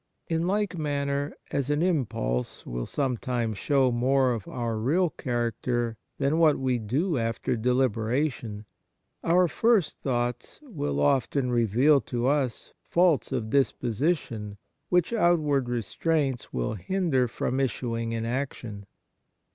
In like manner, Kind Thoughts 49 as an impulse will sometimes show more of our real character than what w^e do after deliberation, our first thoughts will often reveal to us faults of disposition which outward restraints will hinder from issuing in action.